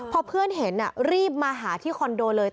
พอเพื่อนเห็นรีบมาหาที่คอนโดเลย